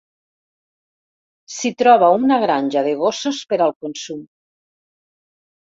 S'hi troba una granja de gossos per al consum.